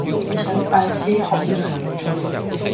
想拜師學藝